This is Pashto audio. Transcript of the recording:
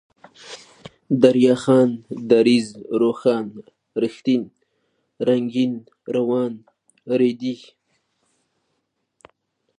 دريا خان ، دريځ ، روښان ، رښتين ، رنگين ، روان ، ريدی